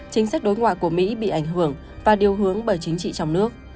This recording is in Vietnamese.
chính sách đối ngoại của mỹ bị ảnh hưởng và điều hướng bởi chính trị trong nước